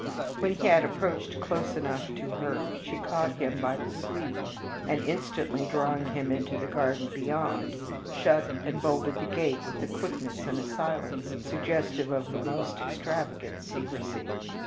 When he had approached close enough to her she caught him by the sleeve, and, instantly drawing him into the garden beyond, shut and bolted the gate with a quickness and a silence suggestive of the most extravagant secrecy.